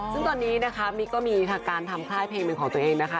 ซึ่งตอนนี้มิ๊กก็มีอินทรัพย์การทำคล้ายเพลงเป็นของตัวเองนะคะ